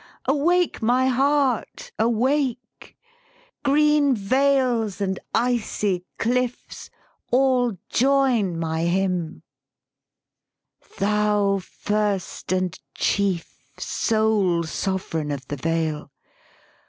Awake, my Heart, awake'. Green vales and icy cliffs, all join my Hvmn. THE SPEAKING VOICE Thou first and chief, sole sovran of the Vale!